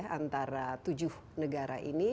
antara tujuh negara ini